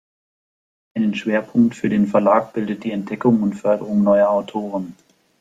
Einen Schwerpunkt für den Verlag bildet die Entdeckung und Förderung neuer Autoren.